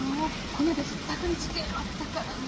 こないだひったくり事件あったからね。